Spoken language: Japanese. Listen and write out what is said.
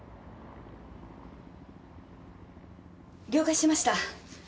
了解しました。